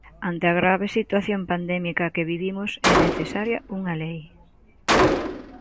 Ante a grave situación pandémica que vivimos é necesaria unha lei.